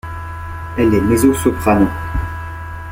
Elle est mezzo-soprano.